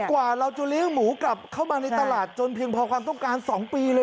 กว่าเราจะเลี้ยงหมูกลับเข้ามาในตลาดจนเพียงพอความต้องการ๒ปีเลย